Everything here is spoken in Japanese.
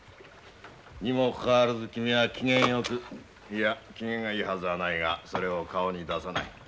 にもかかわらず君は機嫌よくいや機嫌がいいはずはないがそれを顔に出さない。